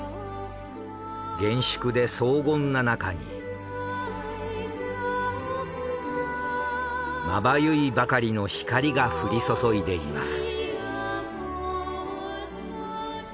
厳粛で荘厳な中にまばゆいばかりの光が降り注いでいます。